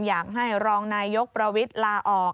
อยากให้รองนายกประวิทย์ลาออก